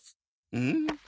うん？